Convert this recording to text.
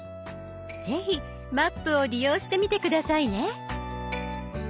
是非「マップ」を利用してみて下さいね。